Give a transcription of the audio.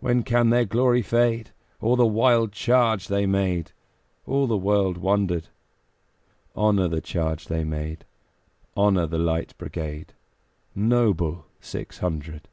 When can their glory fade? O the wild charge they made! All the world wondered. Honor the charge they made! Honor the Light Brigade, Noble six hundred!